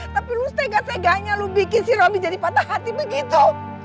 tapi lo setegah seganya lo bikin si robby jadi patah hati begitu